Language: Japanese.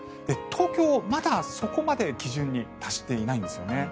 東京、まだそこまで基準に達していないんですよね。